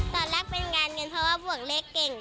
ตอนแรกเป็นงานเงินเพราะว่าบวกเลขเก่ง